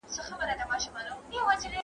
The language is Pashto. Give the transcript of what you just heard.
¬ مړونه مري، نومونه ئې پاتېږي.